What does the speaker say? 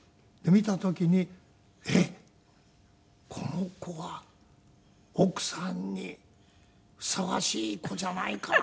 見た時にえっこの子は奥さんにふさわしい子じゃないかな。